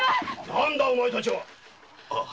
何だお前たちは！